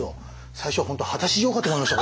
最初本当果たし状かと思いました。